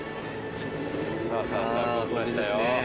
さあさあさあ動きましたよ。